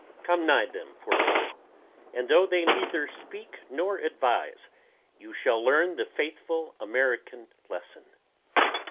Come nigh them awhile and though they neither speak nor advise you shall learn the faithful American lesson.